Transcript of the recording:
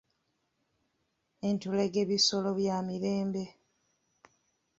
Entulege bisolo bya mirembe.